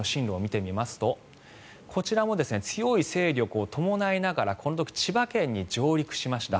この時の進路を見てみますとこちらも強い勢力を伴いながらこの時、千葉県に上陸しました。